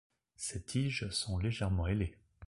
Ses tiges sont légèrement ailées.